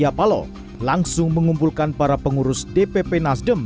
pak jony paloh langsung mengumpulkan para pengurus dpp nasdem